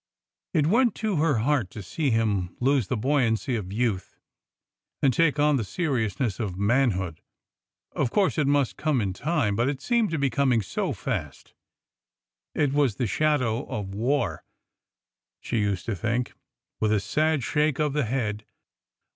It went to her heart to see him lose the buoyancy of youth and take on the seriousness of manhood. Of course it must come in time, but it seemed to be coming so fast. It was the shadow of war! she used to think, with a sad shake of the head.